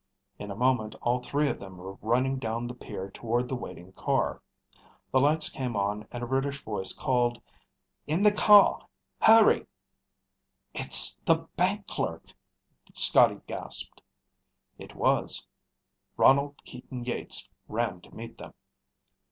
In a moment all three of them were running down the pier toward the waiting car. The lights came on and a British voice called, "In the car. Hurry!" "It's the bank clerk!" Scotty gasped. It was. Ronald Keaton Yeats ran to meet them.